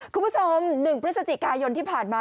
คุณผู้ชม๑พฤศจิกายนที่ผ่านมา